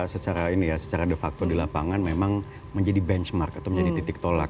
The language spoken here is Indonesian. secara ini ya secara de facto di lapangan memang menjadi benchmark atau menjadi titik tolak